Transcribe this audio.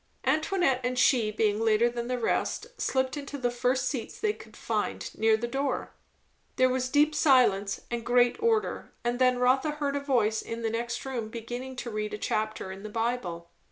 Antoinette and she, being later than the rest, slipped into the first seats they could find, near the door. There was deep silence and great order, and then Rotha heard a voice in the next room beginning to read a chapter in the Bible.